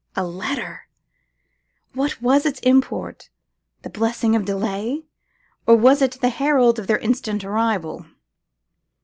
Hah! a letter? What was its import? The blessing of delay? or was it the herald of their instant arrival?